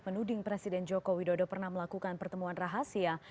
menuding presiden joko widodo pernah melakukan pertemuan rahasia